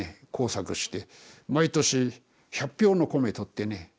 耕作して毎年１００俵の米とってね